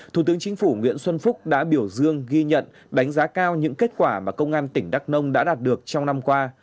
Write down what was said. thủ tướng chính phủ nguyễn xuân phúc đã biểu dương ghi nhận đánh giá cao những kết quả mà công an tỉnh đắk nông đã đạt được trong năm qua